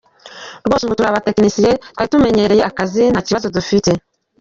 Rwose ubu turi aba tekinisiye twari tumenyereye akazi nta kibazo dufite.